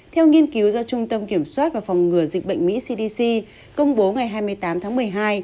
theo nghiên cứu do trung tâm kiểm soát và phòng ngừa dịch bệnh mỹ cdc công bố ngày hai mươi tám tháng một mươi hai